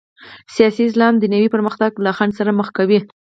سیاسي اسلام دنیوي پرمختګ له خنډ سره مخ کوي.